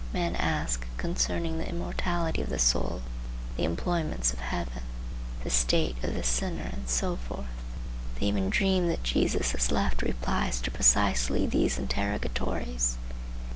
Men ask concerning the immortality of the soul, the employments of heaven, the state of the sinner, and so forth. They even dream that Jesus has left replies to precisely these interrogatories.